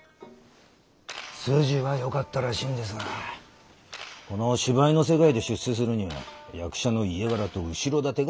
筋は良かったらしいんですがこの芝居の世界で出世するには役者の家柄と後ろ盾が欠かせない。